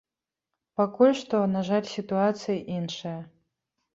Пакуль што, на жаль, сітуацыя іншая.